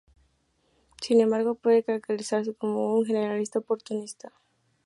Sin embargo, puede caracterizarse como un generalista oportunista.